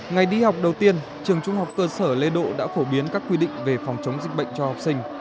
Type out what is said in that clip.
ngày đi học đầu tiên trường trung học cơ sở lê độ đã phổ biến các quy định về phòng chống dịch bệnh cho học sinh